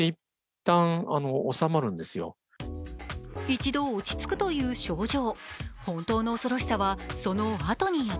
一度落ち着くという症状。